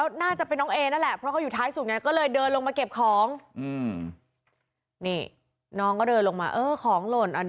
ล่ะล่ะล่ะล่ะล่ะล่ะล่ะล่ะล่ะล่ะล่ะล่ะล่ะล่ะล่ะล่ะล่ะล่ะ